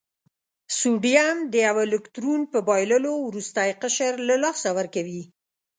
سوډیم د یو الکترون په بایللو وروستی قشر له لاسه ورکوي.